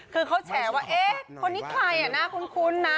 คือเขาแฉว่าคนนี้ใครน่าคุ้นนะ